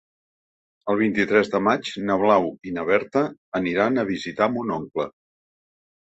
El vint-i-tres de maig na Blau i na Berta aniran a visitar mon oncle.